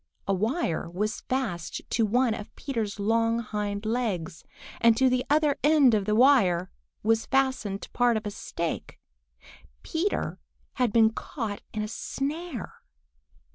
A wire was fast to one of Peter's long hind legs, and to the other end of the wire was fastened part of a stake. Peter had been caught in a snare!